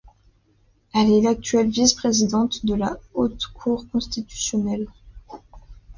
Elle est l'actuelle vice-présidente de la Haute Cour constitutionnelle.